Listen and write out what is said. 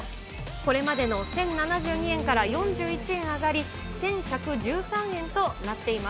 これまでの１０７２円から４１円上がり、１１１３円となっていま